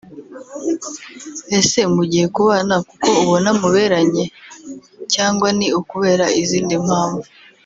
Ese mugiye kubana kuko ubona muberanye cyangwa ni ukubera izindi mpamvu